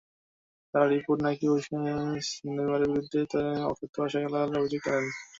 তাঁর রিপোর্টে নাকি ওসেস নেইমারের বিরুদ্ধে তাঁকে অকথ্য ভাষায় গালাগালের অভিযোগ আনেন।